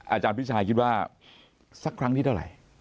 อาจารย์พี่ชายคิดว่าสักครั้งที่เท่าไหร่